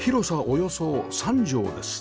およそ３畳です